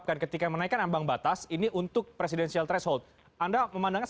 kami akan segera kembali sesaat lagi